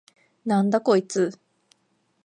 なんだこいつ！？